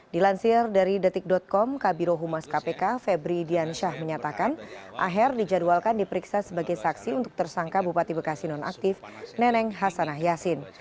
dilansir dari detik com kabiro humas kpk febri diansyah menyatakan aher dijadwalkan diperiksa sebagai saksi untuk tersangka bupati bekasi nonaktif neneng hasanah yassin